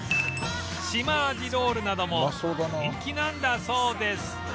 シマアジ ＲＯＬＬ なども人気なんだそうです